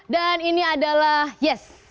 dan ini adalah yes